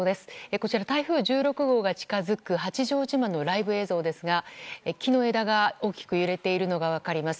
こちら、台風１６号が近づく八丈島のライブ映像ですが木の枝が大きく揺れているのが分かります。